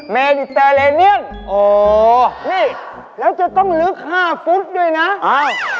เมริเตอร์เรนียมนี่แล้วจะต้องลื้อค่าฟุตด้วยนะโอ้โฮ